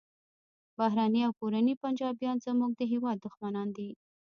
بهرني او کورني پنجابیان زموږ د هیواد دښمنان دي